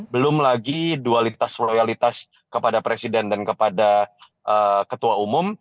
belum lagi dualitas loyalitas kepada presiden dan kepada ketua umum